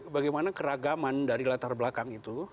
bagaimana keragaman dari latar belakang itu